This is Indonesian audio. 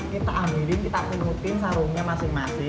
kita ambilin kita pungutin sarungnya masing masing